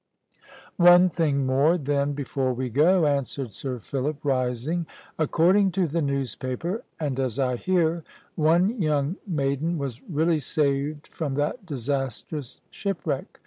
"One thing more, then, before we go," answered Sir Philip, rising; "according to the newspaper, and as I hear, one young maiden was really saved from that disastrous shipwreck.